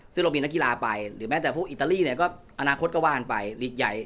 ซึ่งเรามีนักกีฬาไปหรือแม้แต่พวกอิตาลีเนี่ยก็อนาคตก็ว่ากันไปลีกใหญ่